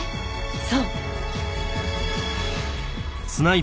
そう！